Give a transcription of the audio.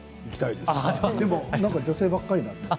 でも女性ばかりだった。